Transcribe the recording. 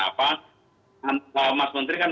apa mas menteri kan